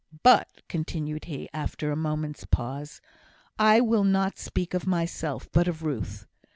"But," continued he, after a moment's pause, "I will not speak of myself, but of Ruth.